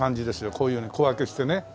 こういうふうに小分けしてね。